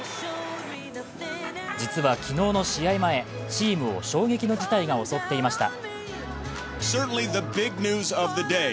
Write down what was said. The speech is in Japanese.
実は昨日の試合前、チームを衝撃の事態が襲っていました